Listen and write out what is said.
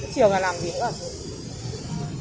thiểu là làm gì nữa